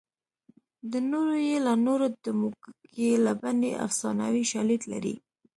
د نورو یې له نورو د موږک یې له بنۍ افسانوي شالید لري